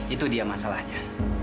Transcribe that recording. itu dia masalahnya